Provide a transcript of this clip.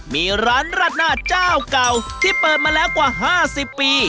มีร้านราดหน้าเจ้าเก่าที่เปิดมาแล้วกว่า๕๐ปี